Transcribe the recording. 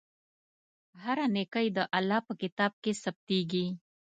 هره نېکۍ د الله په کتاب کې ثبتېږي.